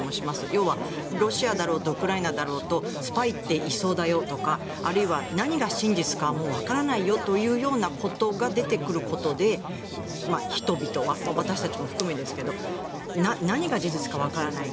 要はロシアだろうとウクライナだろうとスパイっていそうだよとかあるいは何が真実かはもうわからないよというようなことが出てくることで人々は、私たちも含めですが何が事実かわからない。